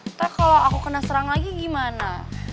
ntar kalau aku kena serang lagi gimana